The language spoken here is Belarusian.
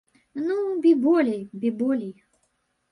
Ну, бі болей, бі болей.